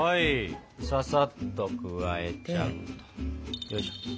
ささっと加えちゃって。